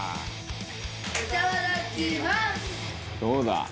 「どうだ？」